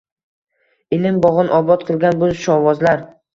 Ilm bog‘in obod qilgan bu shovvozlar